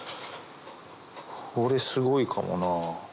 これすごいかもな。